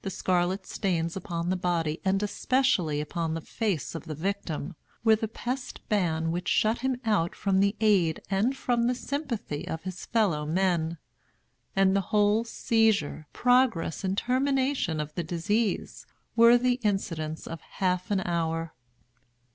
The scarlet stains upon the body and especially upon the face of the victim, were the pest ban which shut him out from the aid and from the sympathy of his fellow men. And the whole seizure, progress and termination of the disease, were the incidents of half an hour.